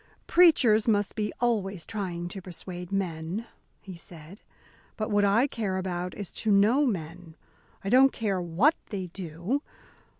"Preachers must be always trying to persuade men," he said. "But what I care about is to know men. I don't care what they do.